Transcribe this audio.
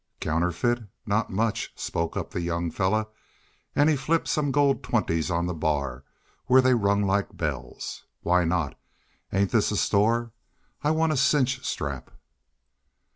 "'Counterfeit? Not much,' spoke up the young fellar, an' he flipped some gold twenties on the bar, where they rung like bells. 'Why not? Ain't this a store? I want a cinch strap.'